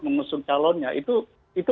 mengusung calonnya itu